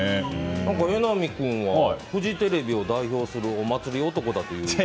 榎並君はフジテレビを代表するお祭り男だということですが。